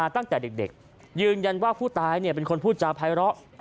ตั้งแต่เด็กยืนยันว่าผู้ตายเป็นคนพูดจาภัยเลาะ